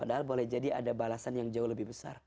padahal boleh jadi ada balasan yang jauh lebih besar